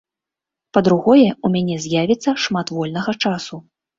Па-другое, у мяне з'явіцца шмат вольнага часу.